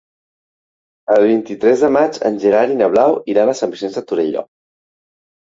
El vint-i-tres de maig en Gerard i na Blau iran a Sant Vicenç de Torelló.